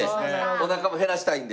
おなかも減らしたいんで。